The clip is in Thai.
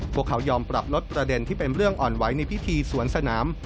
พวกเขายอมปรับลดประเด็นที่เป็นเรื่องอ่อนไหวในพิธีสวนสนาม